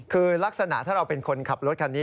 คือลักษณะถ้าเราเป็นคนขับรถคันนี้